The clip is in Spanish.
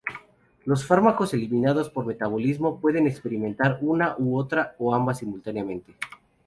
Los fármacos eliminados por metabolismo pueden experimentar una u otra, o ambas simultáneamente.